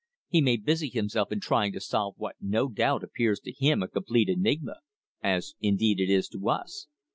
He may busy himself in trying to solve what no doubt appears to him a complete enigma as indeed it is to us.